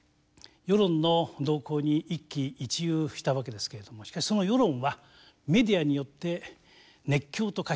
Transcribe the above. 世論の動向に一喜一憂したわけですけれどもしかしその世論はメディアによって熱狂と化しておりました。